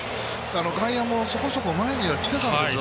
外野もそこそこ前には来てたんですよ